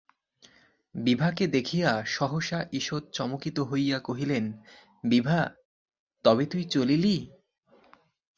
বিভাকে দেখিয়া সহসা ঈষৎ চমকিত হইয়া কহিলেন, বিভা, তবে তুই চলিলি?